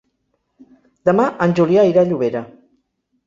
Demà en Julià irà a Llobera.